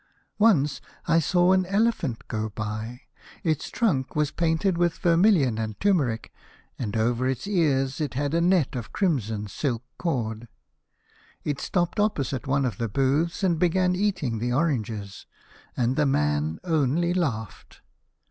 Once 1 saw an elephant go by. Its trunk was painted with vermilion and turmeric, and over its ears it had a net of crimson silk cord. It stopped opposite one of the booths and began eating the oranges, and the man only laughed.